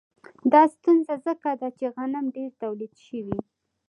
دا ستونزه ځکه ده چې غنم ډېر تولید شوي